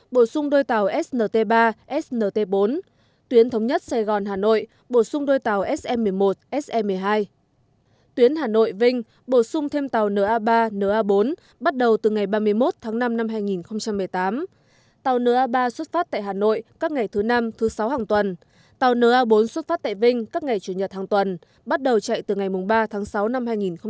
bổ sung thêm tàu na ba na bốn bắt đầu từ ngày ba mươi một tháng năm năm hai nghìn một mươi tám tàu na ba xuất phát tại hà nội các ngày thứ năm thứ sáu hàng tuần tàu na bốn xuất phát tại vinh các ngày chủ nhật hàng tuần bắt đầu chạy từ ngày ba tháng sáu năm hai nghìn một mươi tám